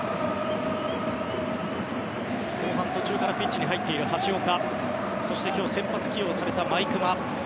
後半途中からピッチに入っている橋岡そして今日先発起用された毎熊。